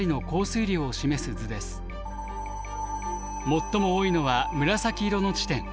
最も多いのは紫色の地点。